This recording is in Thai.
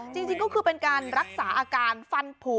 จริงก็คือเป็นการรักษาอาการฟันผู